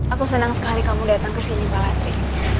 aku senang sekali kamu datang ke sini pala astri